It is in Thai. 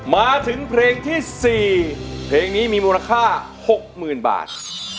มาถึงเพลงที่สี่เพลงนี้มีมูลค่าหกหมื่นบาท